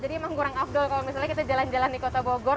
jadi emang kurang afdol kalau misalnya kita jalan jalan di kota bogor